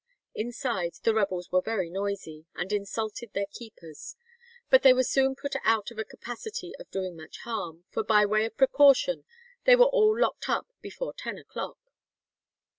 Inside the rebels were very noisy, and insulted their keepers; "but they were soon put out of a capacity of doing much harm, for by way of precaution they were all locked up before ten o'clock."